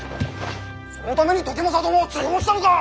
そのために時政殿を追放したのか！